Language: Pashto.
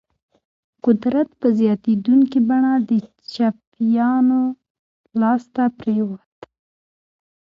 قدرت په زیاتېدونکي بڼه د چپیانو لاس ته پرېوت.